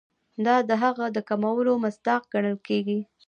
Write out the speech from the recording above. دا د هغه د کمولو مصداق ګڼل کیږي.